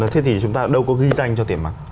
thế thì chúng ta đâu có ghi danh cho tiền mặt